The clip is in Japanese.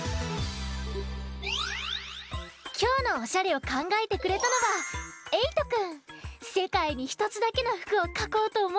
きょうのおしゃれをかんがえてくれたのはせかいにひとつだけのふくをかこうとおもったんだって。